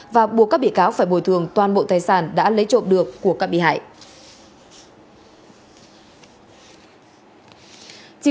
và buộc các bị cáo phải bồi thường toàn bộ tài sản đã lấy trộm được của các bị hại